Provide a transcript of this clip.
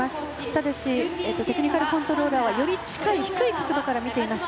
ただしテクニカルコントローラーはより低く近いところから見ています。